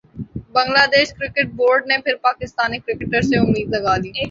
بنگلہ دیش cricket board نے پھر پاکستانی کرکٹرز سے امید لگا لی